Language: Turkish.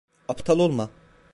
Aptal olma.